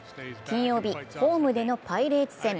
金曜日、ホームでのパイレーツ戦。